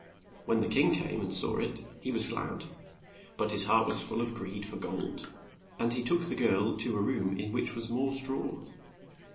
When the king came and saw it he was glad. But his heart was full of greed for gold, and he took the girl to a room in which was more straw.